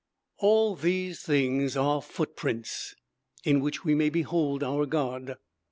All these things are footprints, in which we may behold our God.